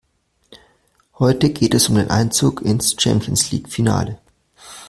Heute geht es um den Einzug ins Champions-League-Finale.